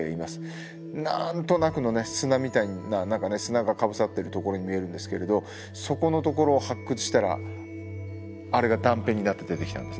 何となくの砂みたいな何かね砂がかぶさってるところに見えるんですけれどそこのところを発掘したらあれが断片になって出てきたんですね。